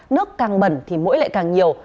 nước càng bẩn thì mũi lại càng nhiều